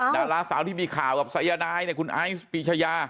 ดาราสาวที่มีข่าวกับสายนายเนี่ยคุณไอซ์ปีชายา